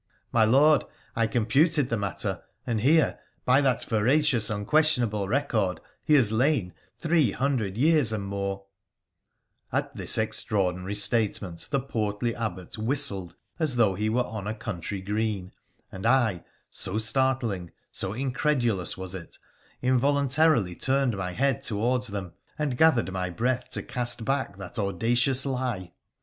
' 'My Lord, I computed the matter, and here, by that veracious, unquestionable record, he has lain three hundred years and more 1 ' At this extraordinary statement the portly Abbot whistled as though he were on a country green, and I, so startling, so incredulous was it, involuntarily turned my head towards them, and gathered my breath to cast back that audacious lie.